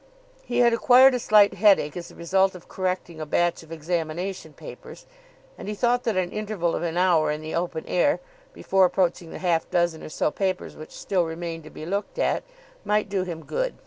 He had acquired a slight headache as the result of correcting a batch of examination papers, and he thought that an interval of an hour in the open air before approaching the half dozen or so papers which still remained to be looked at might do him good.